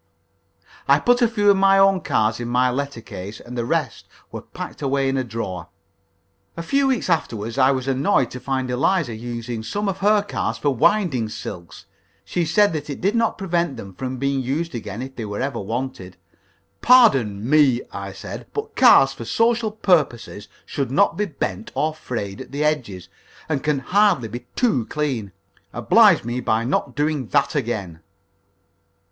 I put a few of my own cards in my letter case, and the rest were packed away in a drawer. A few weeks afterward I was annoyed to find Eliza using some of her cards for winding silks. She said that it did not prevent them from being used again, if they were ever wanted. "Pardon me," I said, "but cards for social purposes should not be bent or frayed at the edge, and can hardly be too clean. Oblige me by not doing that again!"